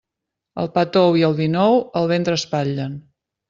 El pa tou i el vi nou el ventre espatllen.